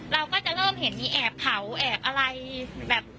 เราก็จะเริ่มเห็นมีแอบเผาแอบอะไรแบบ